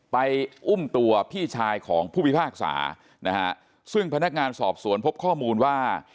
อุ้มตัวพี่ชายของผู้พิพากษานะฮะซึ่งพนักงานสอบสวนพบข้อมูลว่า